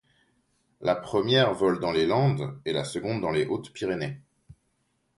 La première vole dans les Landes et la seconde dans les Hautes-Pyrénées.